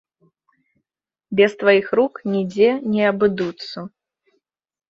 Без тваіх рук нідзе не абыдуцца.